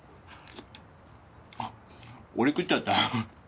俺食っちゃった。